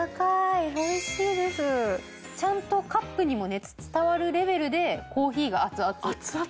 ちゃんとカップにも熱伝わるレベルでコーヒーが熱々。